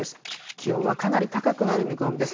気温はかなり高くなる見込みです。